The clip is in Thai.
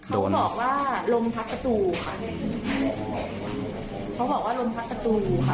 เขาบอกว่าลมพัดประตูค่ะเขาบอกว่าลมพัดประตูอยู่ค่ะ